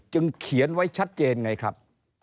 เขียนไว้ชัดเจนไงครับ